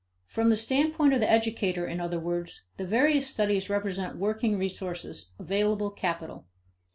From the standpoint of the educator, in other words, the various studies represent working resources, available capital.